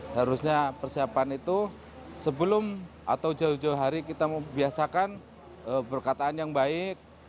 harusnya persiapan itu sebelum atau jauh jauh hari kita membiasakan perkataan yang baik